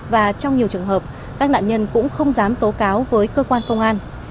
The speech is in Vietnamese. và trong nhiều trường hợp các nạn nhân cũng không dám tố cáo với cơ quan công an